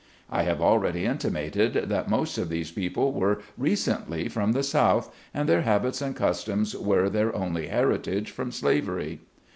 I have already intimated that most of these people were recently from the South, and their habits and customs were their only heritage from slavery.